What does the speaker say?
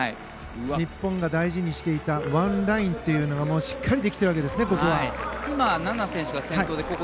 日本が大事にしていたワンラインというものがしっかりできているわけですね。